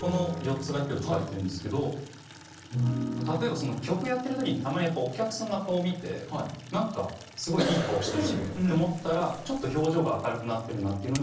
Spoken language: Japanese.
この４つだけを使ってるんですけど例えば曲やってる時にたまにお客さんの顔を見てなんかすごいいい顔してる人がいると思ったらちょっと表情が明るくなってるなっていうので。